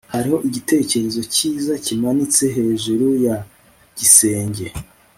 hariho igitereko cyiza kimanitse hejuru ya gisenge